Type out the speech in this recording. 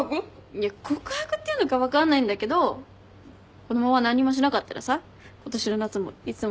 いや告白っていうのか分かんないんだけどこのまま何にもしなかったらさ今年の夏もいつもと一緒じゃん。